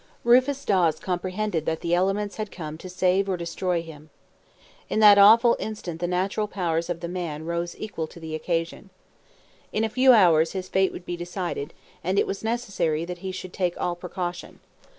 Rufus Dawes comprehended that the elements had come to save or destroy him. In that awful instant the natural powers of the man rose equal to the occasion. In a few hours his fate would be decided, and it was necessary that he should take all precaution.